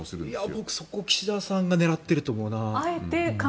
僕は岸田さんがそこを狙っていると思うな。